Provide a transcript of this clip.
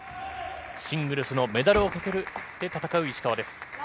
シングルスのメダルをかけて戦う石川です。